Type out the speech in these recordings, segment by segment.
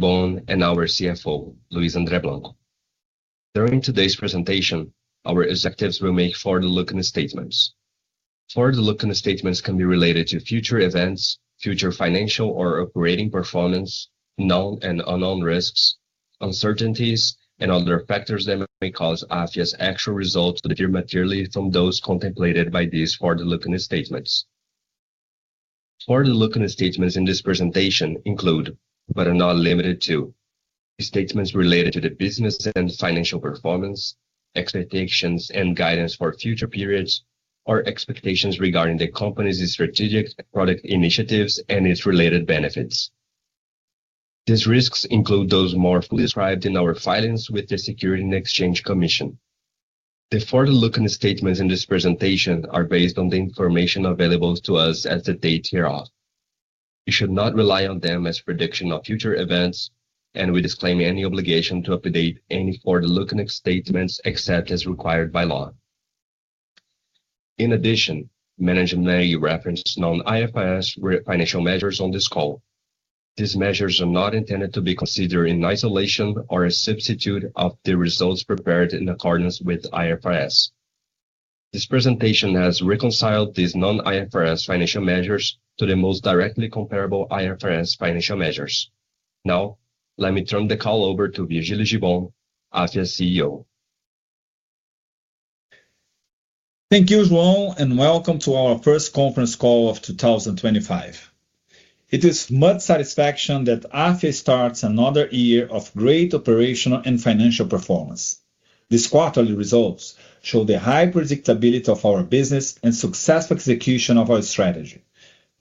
Gibbon and our CFO, Luis Andre Blanco. During today's presentation, our executives will make forward-looking statements. Forward-looking statements can be related to future events, future financial or operating performance, known and unknown risks, uncertainties, and other factors that may cause Afya's actual results to differ materially from those contemplated by these forward-looking statements. Forward-looking statements in this presentation include, but are not limited to, statements related to the business and financial performance, expectations and guidance for future periods, or expectations regarding the company's strategic product initiatives and its related benefits. These risks include those more fully described in our filings with the Securities and Exchange Commission. The forward-looking statements in this presentation are based on the information available to us as of the date hereof. We should not rely on them as predictions of future events, and we disclaim any obligation to update any forward-looking statements except as required by law. In addition, may referenced non-IFRS financial measures on this call. These measures are not intended to be considered in isolation or a substitute of the results prepared in accordance with IFRS. This presentation has reconciled these non-IFRS financial measures to the most directly comparable IFRS financial measures. Now, let me turn the call over to Virgilio Gibbon, Afya's CEO. Thank you, João, and welcome to our first conference call of 2025. It is with much satisfaction that Afya starts another year of great operational and financial performance. These quarterly results show the high predictability of our business and successful execution of our strategy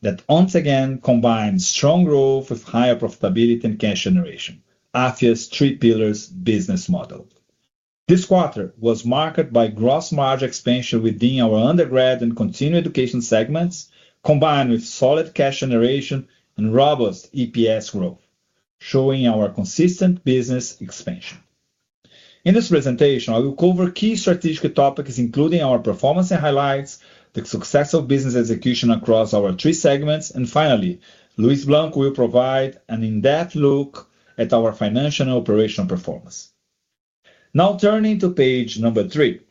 that once again combines strong growth with higher profitability and cash generation, Afya's three-pillar business model. This quarter was marked by gross margin expansion within our undergrad and continuing education segments, combined with solid cash generation and robust EPS growth, showing our consistent business expansion. In this presentation, I will cover key strategic topics, including our performance and highlights, the success of business execution across our three segments, and finally, Luis Andre Blanco will provide an in-depth look at our financial and operational performance. Now, turning to page number three,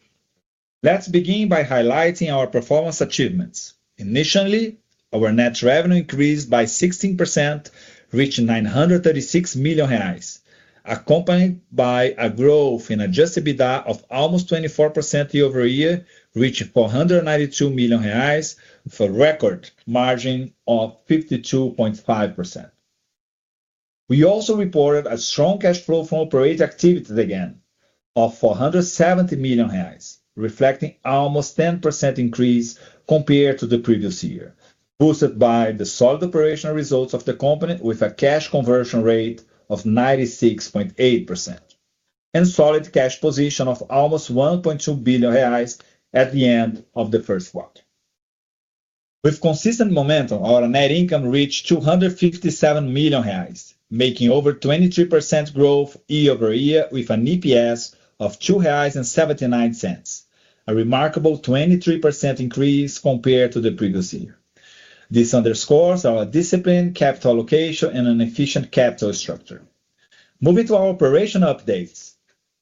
let's begin by highlighting our performance achievements. Initially, our net revenue increased by 16%, reaching 936 million reais, accompanied by a growth in adjusted EBITDA of almost 24% year-over-year, reaching 492 million reais, with a record margin of 52.5%. We also reported a strong cash flow from operating activities again of 470 million reais, reflecting almost a 10% increase compared to the previous year, boosted by the solid operational results of the company, with a cash conversion rate of 96.8%, and a solid cash position of almost 1.2 billion reais at the end of the first quarter. With consistent momentum, our net income reached 257 million reais, making over 23% growth year-over-year, with an EPS of 2.79 reais, a remarkable 23% increase compared to the previous year. This underscores our disciplined capital allocation and an efficient capital structure. Moving to our operational updates,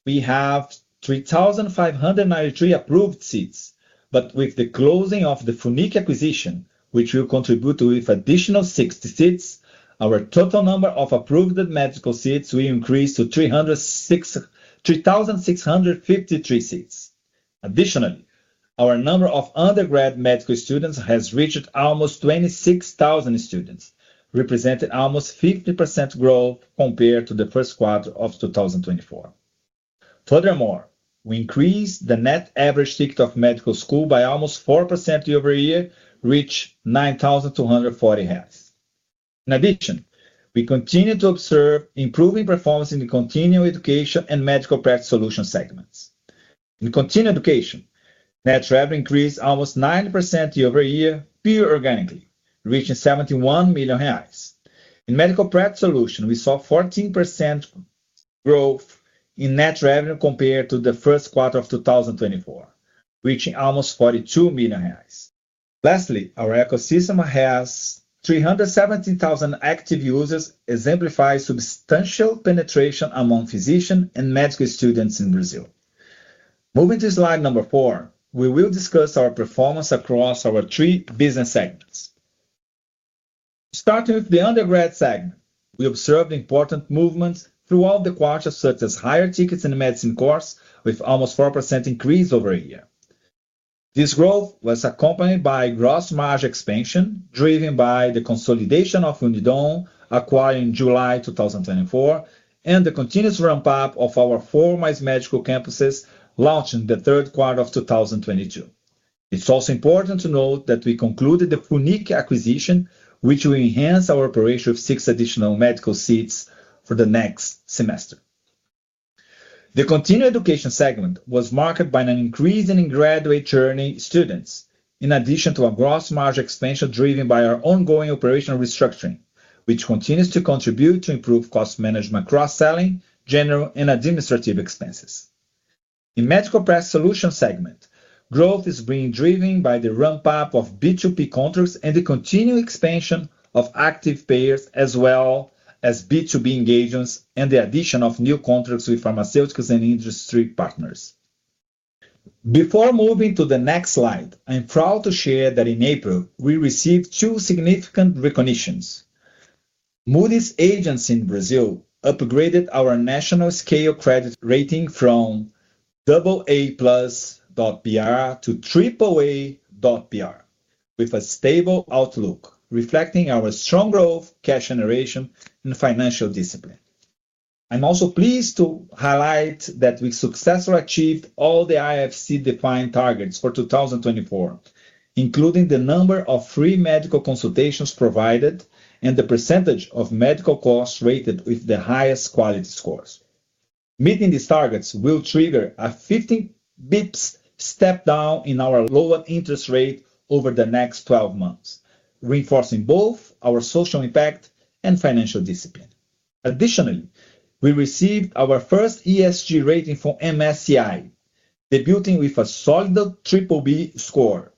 we have 3,593 approved seats, but with the closing of the FUNIQ acquisition, which will contribute with an additional 60 seats, our total number of approved medical seats will increase to 3,653 seats. Additionally, our number of undergrad medical students has reached almost 26,000 students, representing almost a 50% growth compared to the first quarter of 2024. Furthermore, we increased the net average ticket of medical school by almost 4% year-over-year, reaching 9,240. In addition, we continue to observe improving performance in the continuing education and medical practice solution segments. In continuing education, net revenue increased almost 90% year-over-year, pure organically, reaching 71 million reais. In medical practice solution, we saw a 14% growth in net revenue compared to the first quarter of 2024, reaching almost 42 million reais. Lastly, our ecosystem has 317,000 active users, exemplifying substantial penetration among physicians and medical students in Brazil. Moving to slide number four, we will discuss our performance across our three business segments. Starting with the undergrad segment, we observed important movements throughout the quarter, such as higher tickets in the medicine course, with almost a 4% increase over a year. This growth was accompanied by gross margin expansion, driven by the consolidation of Unidom acquired in July 2024, and the continuous ramp-up of our four medical campuses launched in the third quarter of 2022. It is also important to note that we concluded the FUNIQ acquisition, which will enhance our operation with 60 additional medical seats for the next semester. The continuing education segment was marked by an increase in graduate journey students, in addition to a gross margin expansion driven by our ongoing operational restructuring, which continues to contribute to improved cost management across selling, general, and administrative expenses. In the medical practice solution segment, growth is being driven by the ramp-up of B2B contracts and the continued expansion of active payers, as well as B2B engagements and the addition of new contracts with pharmaceuticals and industry partners. Before moving to the next slide, I'm proud to share that in April, we received two significant recognitions. Moody's Agency in Brazil upgraded our national scale credit rating from AA+.BR to AAA.BR, with a stable outlook reflecting our strong growth, cash generation, and financial discipline. I'm also pleased to highlight that we successfully achieved all the IFC-defined targets for 2024, including the number of free medical consultations provided and the percentage of medical costs rated with the highest quality scores. Meeting these targets will trigger a 15 basis points step down in our lower interest rate over the next 12 months, reinforcing both our social impact and financial discipline. Additionally, we received our first ESG rating from MSCI, debuting with a solid BBB score.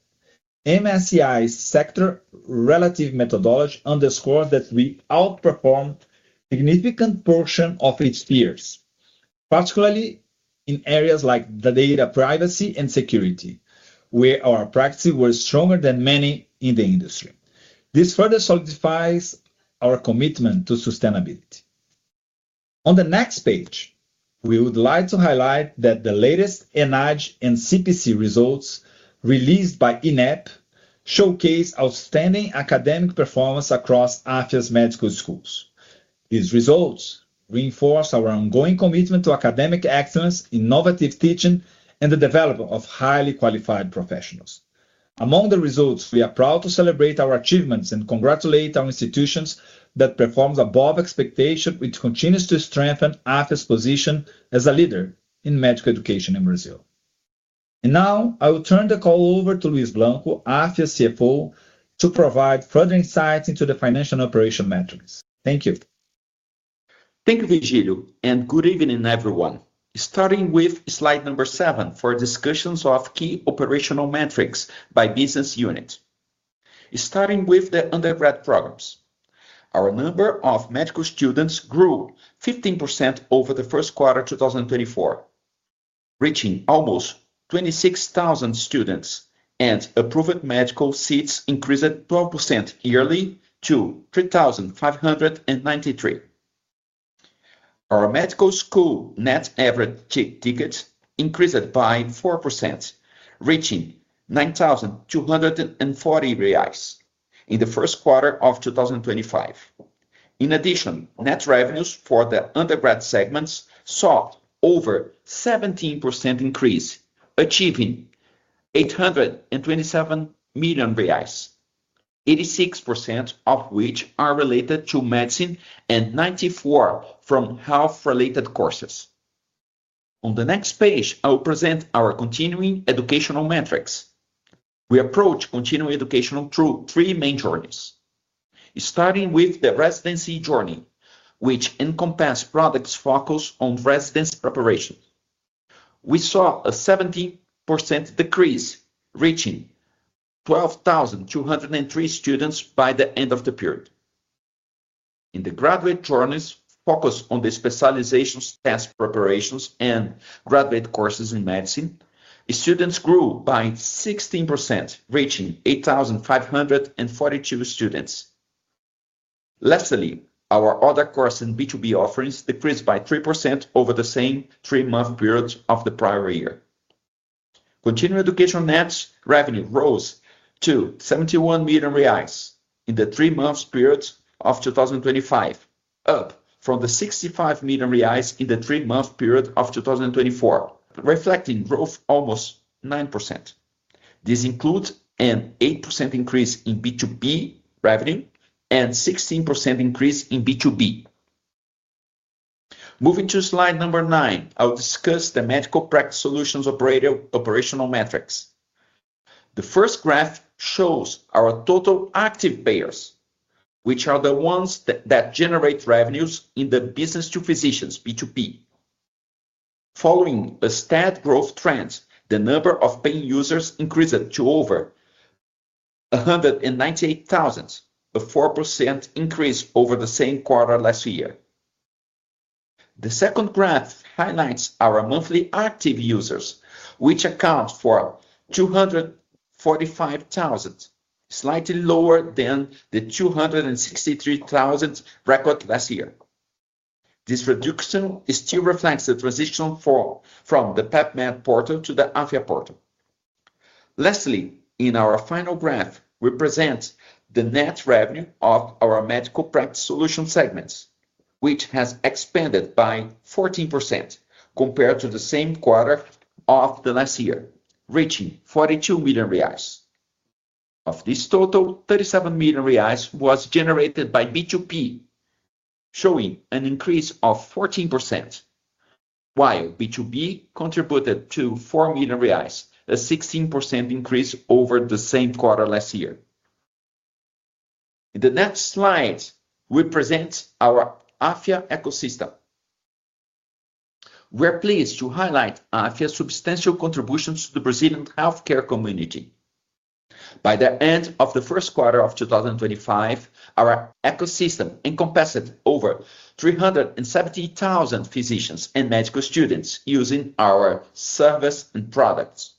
MSCI's sector-relative methodology underscores that we outperformed a significant portion of its peers, particularly in areas like data privacy and security, where our practices were stronger than many in the industry. This further solidifies our commitment to sustainability. On the next page, we would like to highlight that the latest ENAGE and CPC results released by INEP showcase outstanding academic performance across Afya's medical schools. These results reinforce our ongoing commitment to academic excellence, innovative teaching, and the development of highly qualified professionals. Among the results, we are proud to celebrate our achievements and congratulate our institutions that performed above expectations, which continues to strengthen Afya's position as a leader in medical education in Brazil. I will turn the call over to Luis Andre Blanco, Afya's CFO, to provide further insights into the financial and operational metrics. Thank you. Thank you, Virgilio, and good evening, everyone. Starting with slide number seven for discussions of key operational metrics by business unit. Starting with the undergrad programs, our number of medical students grew 15% over the first quarter of 2024, reaching almost 26,000 students, and approved medical seats increased 12% yearly to 3,593. Our medical school net average tickets increased by 4%, reaching 9,240 reais in the first quarter of 2025. In addition, net revenues for the undergrad segments saw over a 17% increase, achieving 827 million reais, 86% of which are related to medicine and 94% from health-related courses. On the next page, I will present our continuing educational metrics. We approach continuing education through three main journeys. Starting with the residency journey, which encompasses products focused on residency preparation, we saw a 17% decrease, reaching 12,203 students by the end of the period. In the graduate journeys, focused on the specialization test preparations and graduate courses in medicine, students grew by 16%, reaching 8,542 students. Lastly, our other courses and B2B offerings decreased by 3% over the same three-month period of the prior year. Continuing education net revenue rose to 71 million reais in the three-month period of 2025, up from the 65 million reais in the three-month period of 2024, reflecting growth of almost 9%. This includes an 8% increase in B2B revenue and a 16% increase in B2B. Moving to slide number nine, I'll discuss the medical practice solutions operational metrics. The first graph shows our total active payers, which are the ones that generate revenues in the business to physicians, B2P. Following a steady growth trend, the number of paying users increased to over 198,000, a 4% increase over the same quarter last year. The second graph highlights our monthly active users, which account for 245,000, slightly lower than the 263,000 record last year. This reduction still reflects the transition from the PEPMED portal to the Afya portal. Lastly, in our final graph, we present the net revenue of our medical practice solution segments, which has expanded by 14% compared to the same quarter of last year, reaching 42 million reais. Of this total, 37 million reais was generated by B2B, showing an increase of 14%, while B2B contributed to 4 million reais, a 16% increase over the same quarter last year. In the next slide, we present our Afya ecosystem. We're pleased to highlight Afya's substantial contributions to the Brazilian healthcare community. By the end of the first quarter of 2025, our ecosystem encompassed over 370,000 physicians and medical students using our service and products.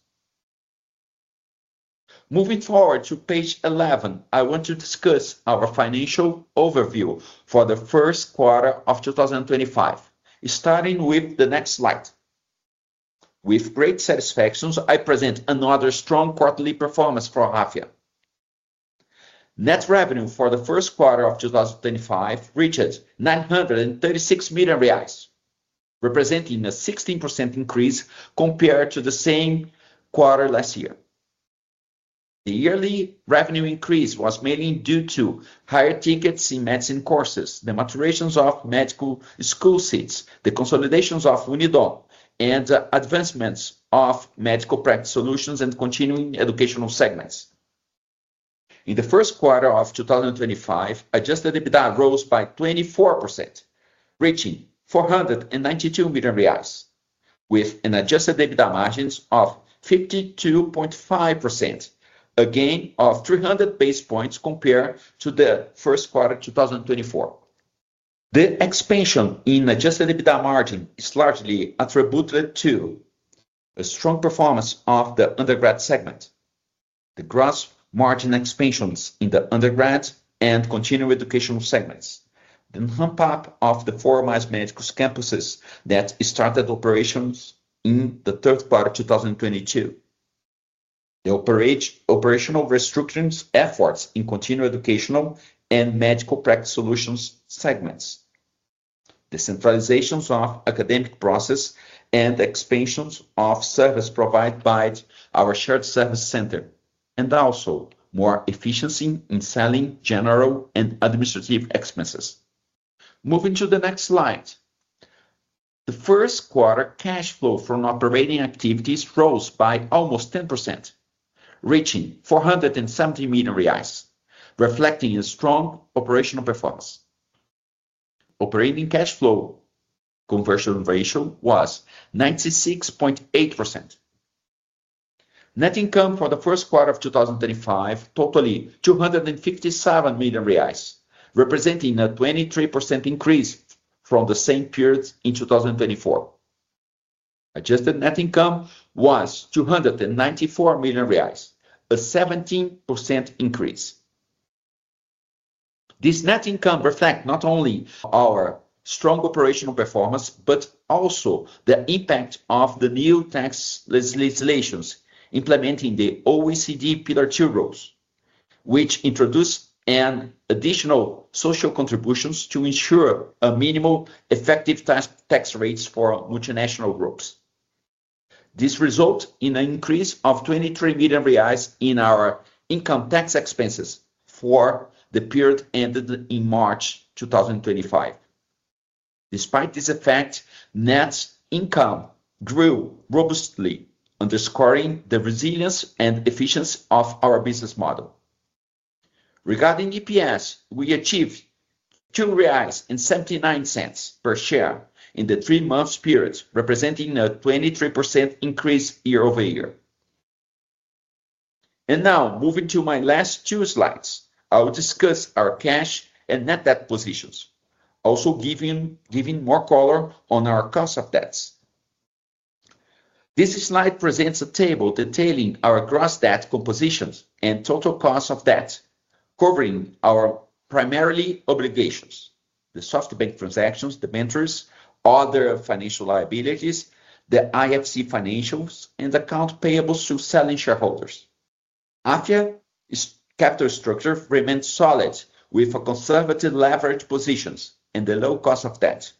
Moving forward to page 11, I want to discuss our financial overview for the first quarter of 2025, starting with the next slide. With great satisfaction, I present another strong quarterly performance for Afya. Net revenue for the first quarter of 2025 reached 936 million reais, representing a 16% increase compared to the same quarter last year. The yearly revenue increase was mainly due to higher tickets in medicine courses, the maturation of medical school seats, the consolidation of Unidom, and the advancements of medical practice solutions and continuing educational segments. In the first quarter of 2025, adjusted EBITDA rose by 24%, reaching 492 million reais, with an adjusted EBITDA margin of 52.5%, a gain of 300 basis points compared to the first quarter of 2024. The expansion in adjusted EBITDA margin is largely attributed to the strong performance of the undergrad segment, the gross margin expansions in the undergrad and continuing education segments, the ramp-up of the four medical campuses that started operations in the third quarter of 2022. The operational restrictions efforts in continuing education and medical practice solutions segments, the centralization of academic processes and the expansion of service provided by our shared service center, and also more efficiency in selling, general, and administrative expenses. Moving to the next slide, the first quarter cash flow from operating activities rose by almost 10%, reaching 470 million reais, reflecting a strong operational performance. Operating cash flow conversion ratio was 96.8%. Net income for the first quarter of 2025 totaled 257 million reais, representing a 23% increase from the same period in 2024. Adjusted net income was 294 million reais, a 17% increase. This net income reflects not only our strong operational performance but also the impact of the new tax legislations implementing the OECD Pillar Two rules, which introduce additional social contributions to ensure minimal effective tax rates for multinational groups. This resulted in an increase of 23 million reais in our income tax expenses for the period ended in March 2025. Despite this effect, net income grew robustly, underscoring the resilience and efficiency of our business model. Regarding EPS, we achieved 2.79 reais per share in the three-month period, representing a 23% increase year-over-year. Now, moving to my last two slides, I will discuss our cash and net debt positions, also giving more color on our cost of debts. This slide presents a table detailing our gross debt compositions and total cost of debt, covering primarily obligations: the SoftBank transactions, the mentors, other financial liabilities, the IFC financials, and accounts payable through selling shareholders. Afya's capital structure remained solid, with conservative leverage positions and a low cost of debt.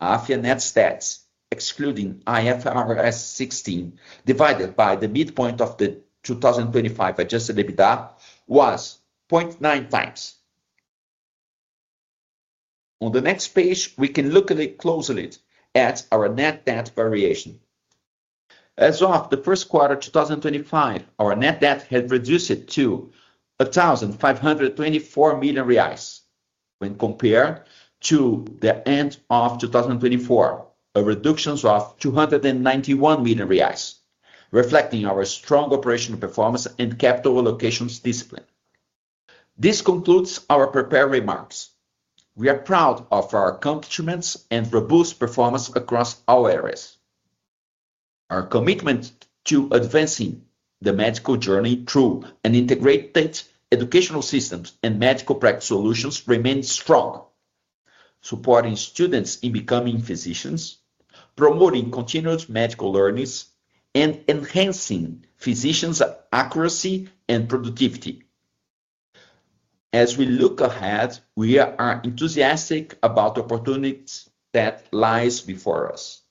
Afya net stats, excluding IFRS 16, divided by the midpoint of the 2025 adjusted EBITDA, was 0.9 times. On the next page, we can look at it closely at our net debt variation. As of the first quarter of 2025, our net debt had reduced to 1,524 million reais when compared to the end of 2024, a reduction of 291 million reais, reflecting our strong operational performance and capital allocation discipline. This concludes our prepared remarks. We are proud of our accomplishments and robust performance across all areas. Our commitment to advancing the medical journey through an integrated educational system and medical practice solutions remains strong, supporting students in becoming physicians, promoting continuous medical learning, and enhancing physicians' accuracy and productivity. As we look ahead, we are enthusiastic about the opportunities that lie before us.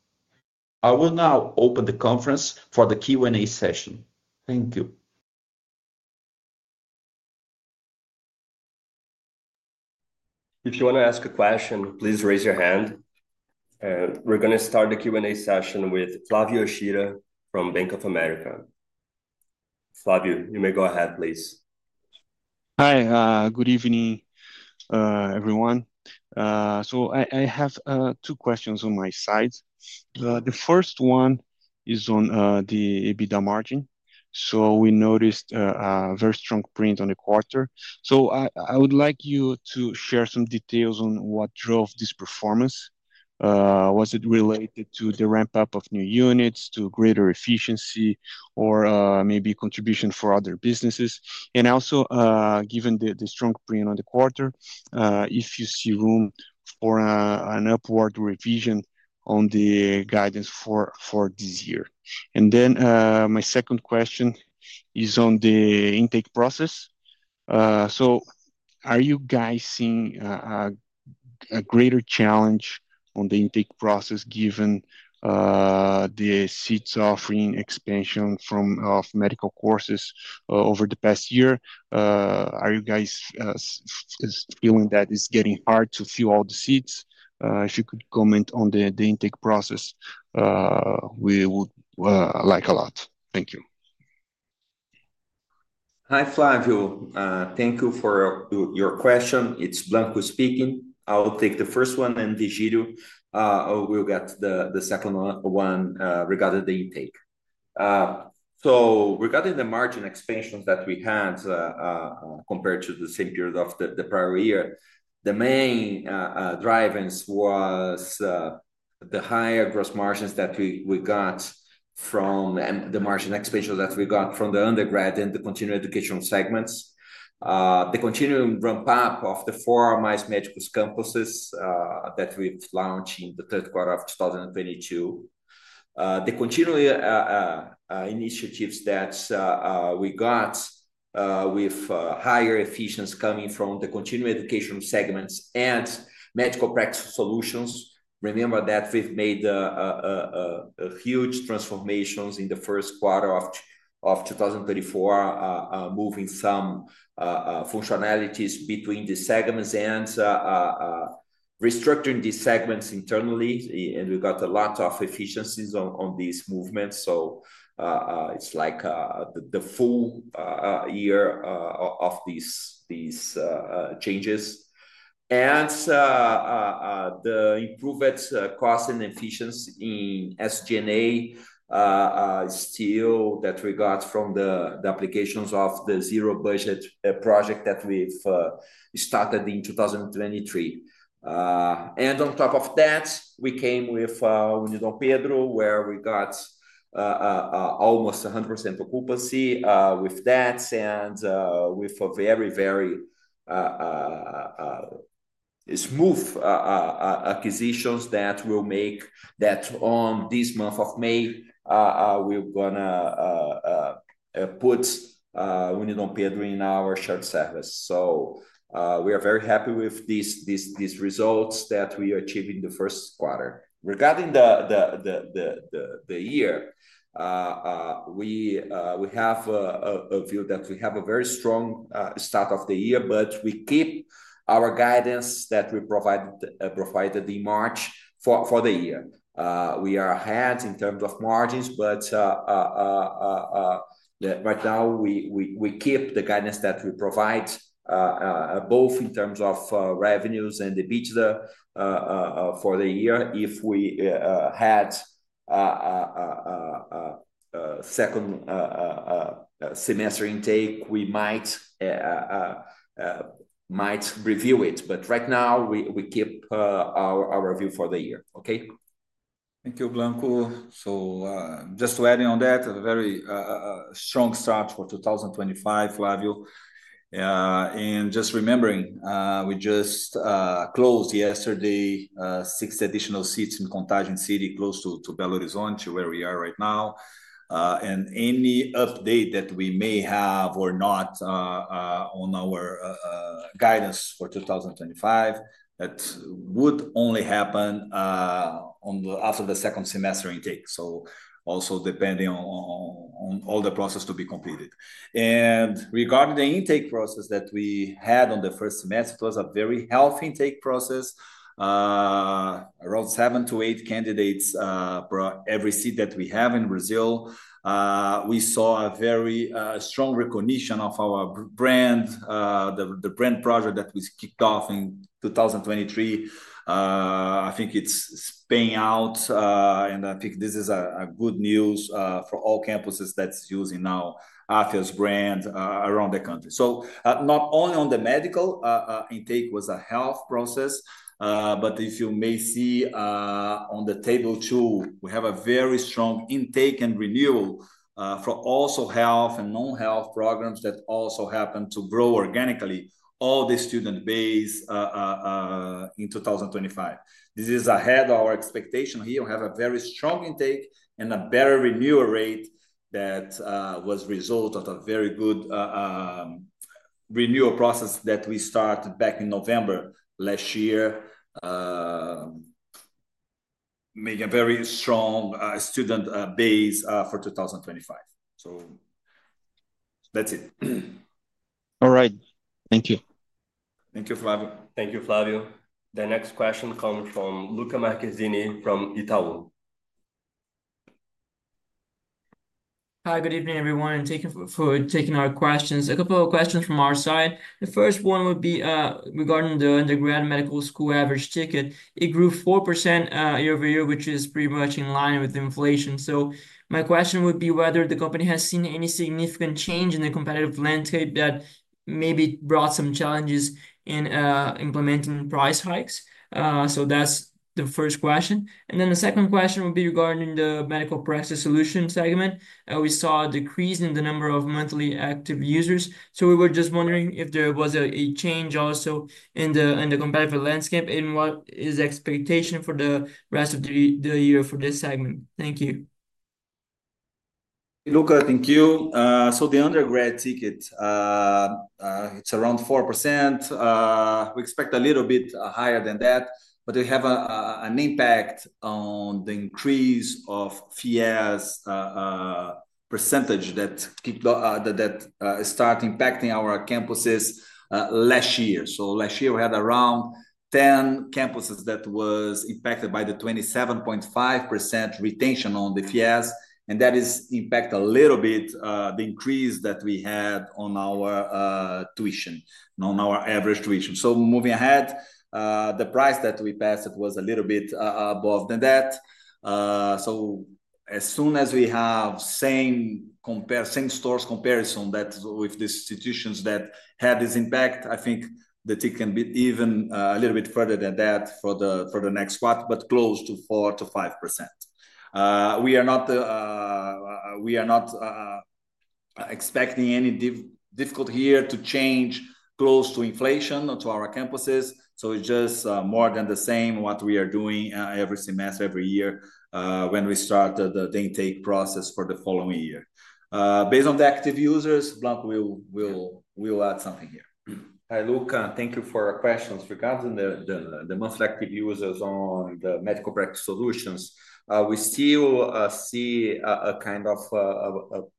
I will now open the conference for the Q&A session. Thank you. If you want to ask a question, please raise your hand. We're going to start the Q&A session with Flavio Yoshida from Bank of America. Flavio, you may go ahead, please. Hi, good evening, everyone. I have two questions on my side. The first one is on the EBITDA margin. We noticed a very strong print on the quarter. I would like you to share some details on what drove this performance? Was it related to the ramp-up of new units, to greater efficiency, or maybe contribution from other businesses? Also, given the strong print on the quarter, do you see room for an upward revision on the guidance for this year? My second question is on the intake process. Are you guys seeing a greater challenge on the intake process given the seats offering expansion from medical courses over the past year? Are you guys feeling that it is getting hard to fill all the seats? If you could comment on the intake process, we would like that a lot. Thank you. Hi, Flavio. Thank you for your question. It's Blanco speaking. I'll take the first one, and Virgilio will get the second one regarding the intake. Regarding the margin expansions that we had compared to the same period of the prior year, the main driving force was the higher gross margins that we got from the margin expansion that we got from the undergrad and the continuing education segments. The continuing ramp-up of the four medical campuses that we've launched in the third quarter of 2022. The continuing initiatives that we got with higher efficiency coming from the continuing education segments and medical practice solutions. Remember that we've made huge transformations in the first quarter of 2024, moving some functionalities between the segments and restructuring the segments internally. We got a lot of efficiencies on these movements. It's like the full year of these changes. The improved cost and efficiency in SG&A still that we got from the applications of the zero-budget project that we started in 2023. On top of that, we came with Unidompedro, where we got almost 100% occupancy with debts and with very, very smooth acquisitions that will make that in this month of May, we are going to put Unidompedro in our shared service. We are very happy with these results that we achieved in the first quarter. Regarding the year, we have a view that we have a very strong start of the year, but we keep our guidance that we provided in March for the year. We are ahead in terms of margins, but right now, we keep the guidance that we provide, both in terms of revenues and EBITDA for the year. If we had a second semester intake, we might review it. Right now, we keep our view for the year. Okay? Thank you, Blanco. Just to add in on that, a very strong start for 2025, Flavio. Just remembering, we just closed yesterday six additional seats in Contagem City, close to Belo Horizonte, where we are right now. Any update that we may have or not on our guidance for 2025 would only happen after the second semester intake, also depending on all the process to be completed. Regarding the intake process that we had on the first semester, it was a very healthy intake process. Around seven to eight candidates brought every seat that we have in Brazil. We saw a very strong recognition of our brand, the brand project that we kicked off in 2023. I think it is paying out, and I think this is good news for all campuses that are using now Afya's brand around the country. Not only on the medical intake was a health process, but if you may see on the table two, we have a very strong intake and renewal for also health and non-health programs that also happened to grow organically all the student base in 2025. This is ahead of our expectation here. We have a very strong intake and a better renewal rate that was the result of a very good renewal process that we started back in November last year, making a very strong student base for 2025. That's it. All right. Thank you. Thank you, Flavio. Thank you, Flavio. The next question comes from Lucca Marquezini from Itaú. Hi, good evening, everyone. Thank you for taking our questions. A couple of questions from our side. The first one would be regarding the undergrad medical school average ticket. It grew 4% year-over-year, which is pretty much in line with inflation. My question would be whether the company has seen any significant change in the competitive landscape that maybe brought some challenges in implementing price hikes? That is the first question. The second question would be regarding the medical practice solution segment. We saw a decrease in the number of monthly active users. We were just wondering if there was a change also in the competitive landscape and what is the expectation for the rest of the year for this segment? Thank you. Lucca, thank you. The undergrad ticket, it's around 4%. We expect a little bit higher than that, but we have an impact on the increase of FIES percentage that started impacting our campuses last year. Last year, we had around 10 campuses that were impacted by the 27.5% retention on the FIES. That impacted a little bit the increase that we had on our tuition, on our average tuition. Moving ahead, the price that we passed was a little bit above than that. As soon as we have the same stores comparison with the institutions that had this impact, I think the ticket can be even a little bit further than that for the next quarter, but close to 4% to 5%. We are not expecting any difficulty here to change close to inflation to our campuses. It is just more than the same what we are doing every semester, every year when we started the intake process for the following year. Based on the active users, Blanco will add something here. Hi, Lucca. Thank you for your questions. Regarding the monthly active users on the medical practice solutions, we still see a kind of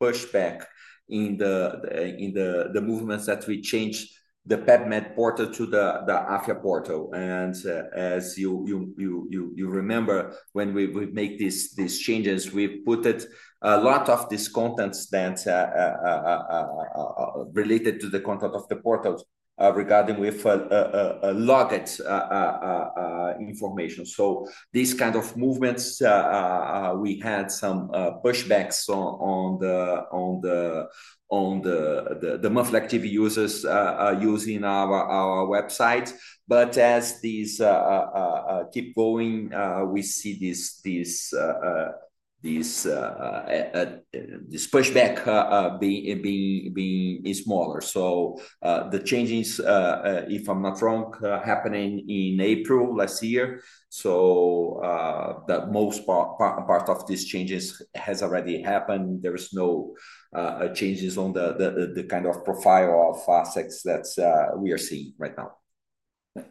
pushback in the movements that we changed the PEPMED portal to the Afya portal. As you remember, when we make these changes, we put a lot of this content that's related to the content of the portals regarding with loggage information. These kinds of movements, we had some pushbacks on the monthly active users using our website. As these keep going, we see this pushback being smaller. The changes, if I'm not wrong, happening in April last year. The most part of these changes has already happened. There are no changes on the kind of profile of assets that we are seeing right now.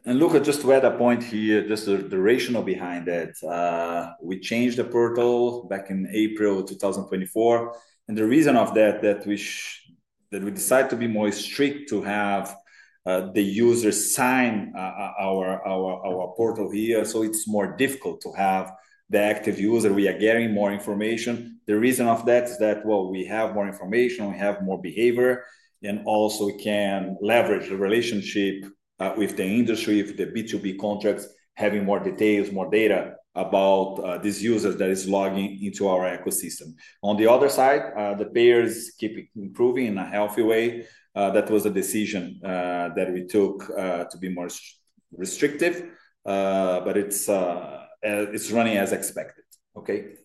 Lucca, just to add a point here, just the duration behind it. We changed the portal back in April 2024. The reason for that is that we decided to be more strict to have the users sign our portal here. It is more difficult to have the active user. We are getting more information. The reason for that is that we have more information, we have more behavior, and also we can leverage the relationship with the industry, with the B2B contracts, having more details, more data about these users that are logging into our ecosystem. On the other side, the payers keep improving in a healthy way. That was a decision that we took to be more restrictive, but it is running as expected. Okay?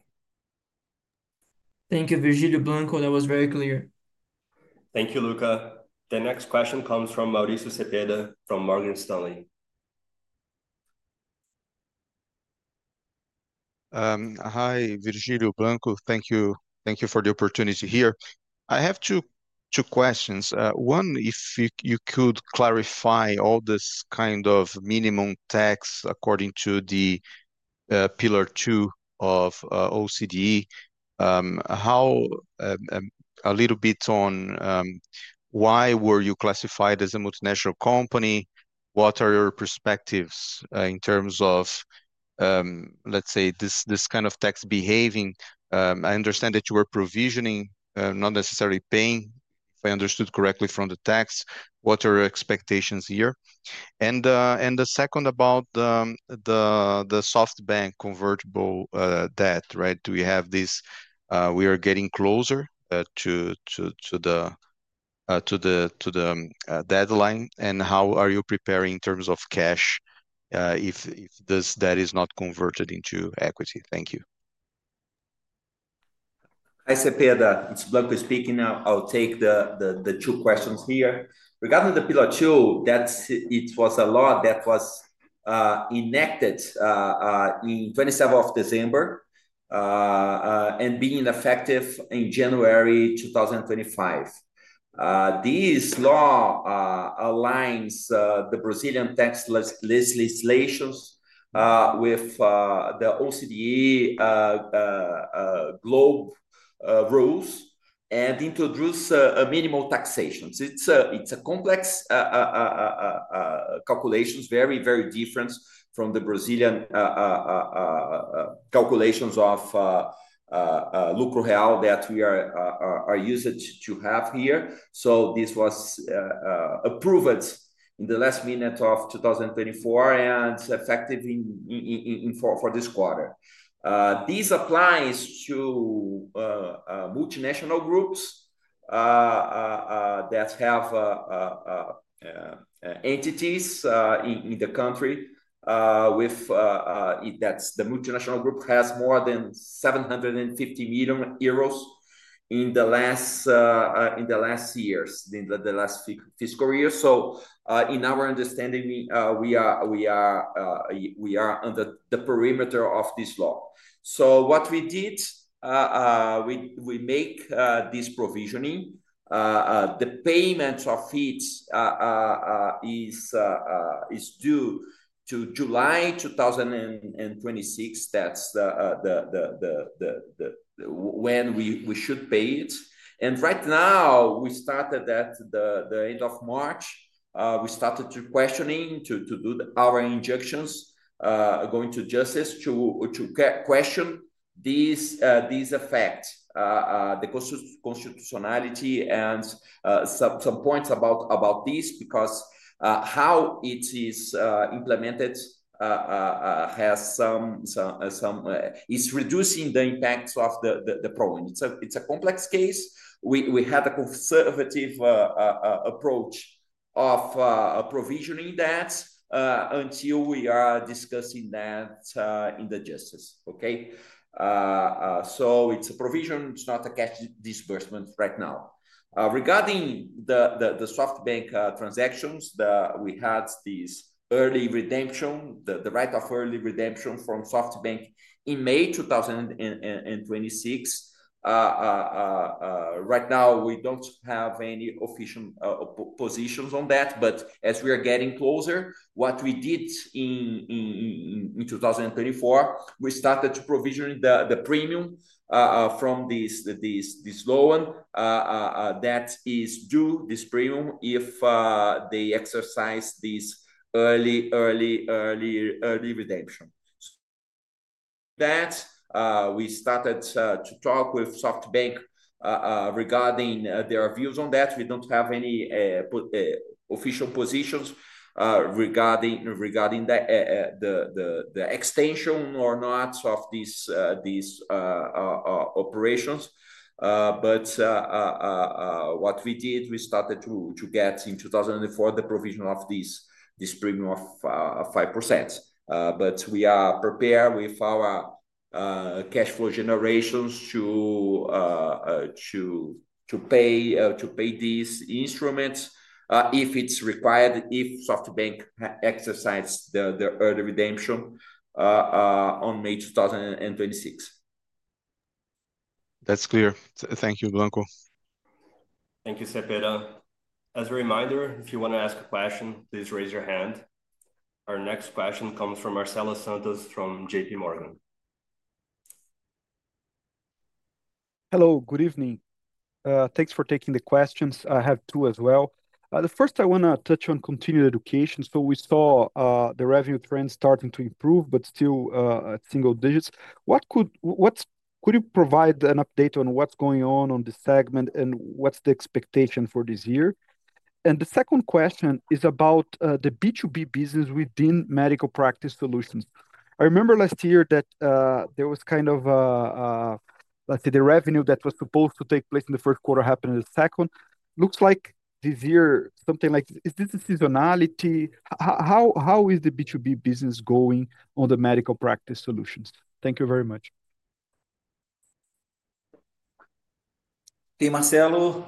Thank you, Virgilio Gibbon. That was very clear. Thank you, Luca. The next question comes from Mauricio Cepeda from Morgan Stanley. Hi, Virgilio Gibbon. Thank you for the opportunity here. I have two questions. One, if you could clarify all this kind of minimum tax according to the Pillar Two of OECD. A little bit on why were you classified as a multinational company? What are your perspectives in terms of, let's say, this kind of tax behaving? I understand that you were provisioning, not necessarily paying, if I understood correctly from the tax. What are your expectations here? The second about the SoftBank convertible debt, right? Do we have this? We are getting closer to the deadline. How are you preparing in terms of cash if that is not converted into equity? Thank you. Hi, Cepeda. It's Blanco speaking now. I'll take the two questions here. Regarding the Pillar Two, it was a law that was enacted on 27th of December and being effective in January 2025. This law aligns the Brazilian tax legislations with the OECD global rules and introduces minimal taxations. It's a complex calculation, very, very different from the Brazilian calculations of lucro real that we are used to have here. This was approved in the last minute of 2024 and effective for this quarter. This applies to multinational groups that have entities in the country with that the multinational group has more than 750 million euros in the last years, in the last fiscal year. In our understanding, we are under the perimeter of this law. What we did, we make this provisioning. The payment of fees is due to July 2026. That's when we should pay it. Right now, we started at the end of March. We started questioning to do our injections, going to justice to question these effects, the constitutionality, and some points about this because how it is implemented has some is reducing the impacts of the problem. It's a complex case. We had a conservative approach of provisioning that until we are discussing that in the justice. Okay? It's a provision. It's not a cash disbursement right now. Regarding the SoftBank transactions, we had this early redemption, the right of early redemption from SoftBank in May 2026. Right now, we do not have any official positions on that. As we are getting closer, what we did in 2024, we started to provision the premium from this loan that is due, this premium, if they exercise this early redemption. That we started to talk with SoftBank regarding their views on that. We do not have any official positions regarding the extension or not of these operations. What we did, we started to get in 2024 the provision of this premium of 5%. We are prepared with our cash flow generations to pay these instruments if it is required, if SoftBank exercises the early redemption on May 2026. That's clear. Thank you, Blanco. Thank you, Cepedo. As a reminder, if you want to ask a question, please raise your hand. Our next question comes from Marcela Santos from JP Morgan. Hello, good evening. Thanks for taking the questions. I have two as well. The first, I want to touch on continuing education. So we saw the revenue trend starting to improve, but still single digits. What could you provide an update on what's going on in the segment and what's the expectation for this year? The second question is about the B2B business within medical practice solutions. I remember last year that there was kind of, let's say, the revenue that was supposed to take place in the first quarter happened in the second. Looks like this year, something like, is this the seasonality? How is the B2B business going on the medical practice solutions? Thank you very much. Hey, Marcelo.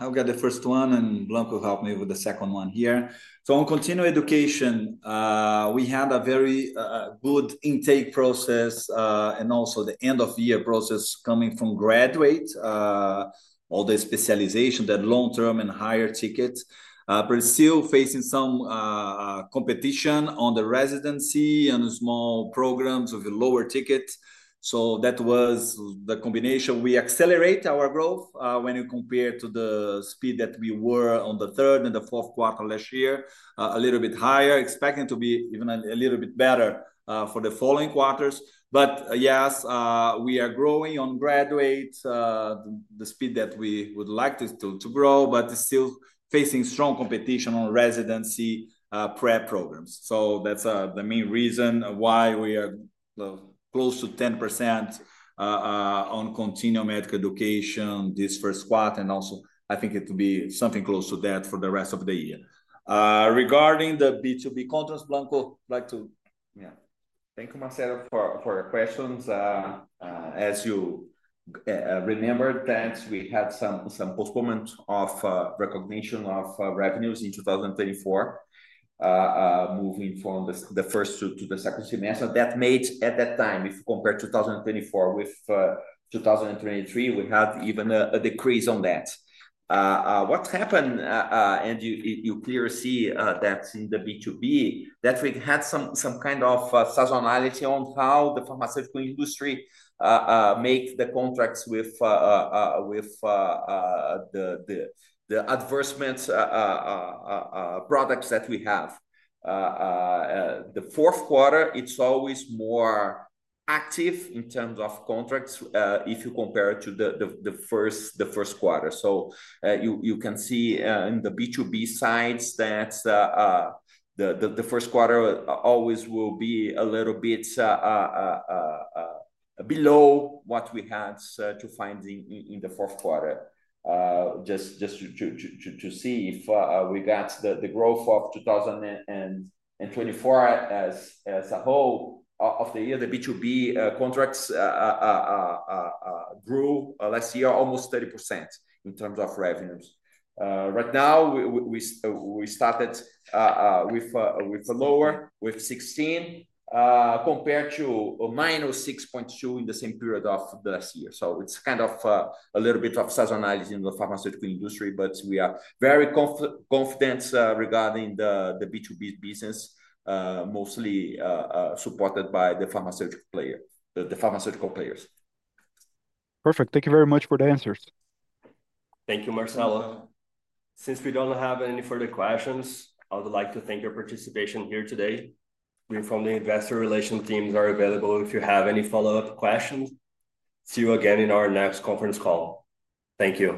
I'll get the first one, and Blanco helped me with the second one here. On continuing education, we had a very good intake process and also the end-of-year process coming from graduate, all the specialization, the long-term and higher tickets. Brazil facing some competition on the residency and small programs of lower tickets. That was the combination. We accelerate our growth when you compare to the speed that we were on the third and the fourth quarter last year, a little bit higher, expecting to be even a little bit better for the following quarters. Yes, we are growing on graduate, the speed that we would like to grow, but still facing strong competition on residency prep programs. That is the main reason why we are close to 10% on continuing medical education this first quarter. I think it would be something close to that for the rest of the year. Regarding the B2B contracts, Blanco, I'd like to.. Yeah. Thank you, Marcelo, for your questions. As you remember, we had some postponement of recognition of revenues in 2024, moving from the first to the second semester. That made at that time, if you compare 2024 with 2023, we had even a decrease on that. What happened, and you clearly see that in the B2B, that we had some kind of seasonality on how the pharmaceutical industry makes the contracts with the advertisement products that we have. The fourth quarter, it is always more active in terms of contracts if you compare it to the first quarter. You can see in the B2B sites that the first quarter always will be a little bit below what we had to find in the fourth quarter. Just to see if we got the growth of 2024 as a whole of the year, the B2B contracts grew last year almost 30% in terms of revenues. Right now, we started with a lower with 16% compared to a minus 6.2% in the same period of the last year. It is kind of a little bit of seasonality in the pharmaceutical industry, but we are very confident regarding the B2B business, mostly supported by the pharmaceutical players. Perfect. Thank you very much for the answers. Thank you, Marcelo. Since we don't have any further questions, I would like to thank your participation here today. We inform the investor relation teams are available if you have any follow-up questions. See you again in our next conference call. Thank you.